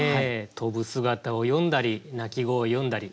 飛ぶ姿を詠んだり鳴き声を詠んだり。